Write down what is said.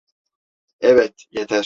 Evet, yeter.